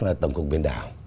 là tổng cục biển đảo